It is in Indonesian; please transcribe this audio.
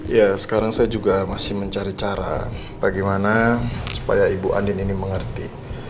ya sekarang saya juga masih mencari cara bagaimana supaya ibu andin ini mengerti